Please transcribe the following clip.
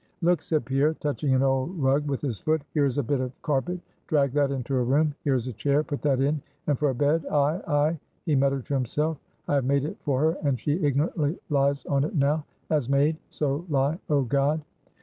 "Look," said Pierre, touching an old rug with his foot; "here is a bit of carpet; drag that into her room; here is a chair, put that in; and for a bed, ay, ay," he muttered to himself; "I have made it for her, and she ignorantly lies on it now! as made so lie. Oh God!"